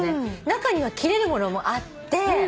中には切れるものもあって。